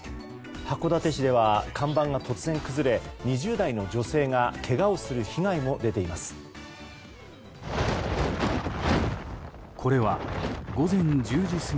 函館市では看板が突然崩れ２０代の女性がけがをする被害も出ています。